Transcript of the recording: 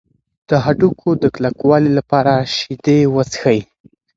د هډوکو د کلکوالي لپاره شیدې وڅښئ.